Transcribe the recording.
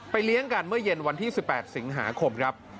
เลี้ยงกันเมื่อเย็นวันที่๑๘สิงหาคมครับ